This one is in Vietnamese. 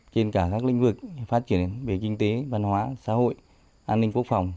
trên cả các lĩnh vực phát triển về kinh tế văn hóa xã hội an ninh quốc phòng